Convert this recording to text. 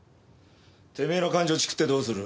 てめえの感情チクってどうする？